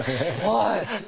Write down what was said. はい。